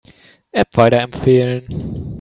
App weiterempfehlen.